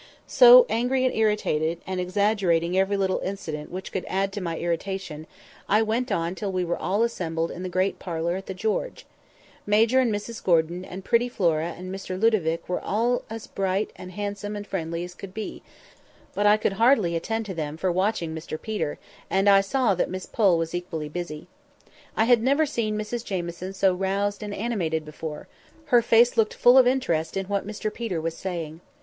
So, angry and irritated, and exaggerating every little incident which could add to my irritation, I went on till we were all assembled in the great parlour at the "George." Major and Mrs Gordon and pretty Flora and Mr Ludovic were all as bright and handsome and friendly as could be; but I could hardly attend to them for watching Mr Peter, and I saw that Miss Pole was equally busy. I had never seen Mrs Jamieson so roused and animated before; her face looked full of interest in what Mr Peter was saying.